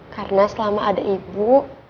karena selama ada ibu